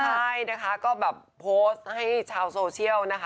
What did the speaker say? ใช่นะคะก็แบบโพสต์ให้ชาวโซเชียลนะคะ